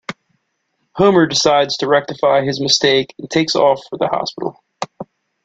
Homer decides to rectify his mistake and takes off for the hospital.